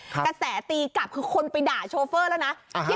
กระแสตีกลับคือคนไปด่าโชเฟอร์แล้วนะ